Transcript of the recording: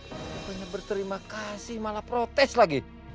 pokoknya berterima kasih malah protes lagi